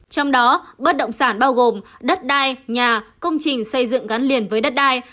trong đó bất động sản bao gồm đất đai nhà công trình xây dựng gắn liền với đất đai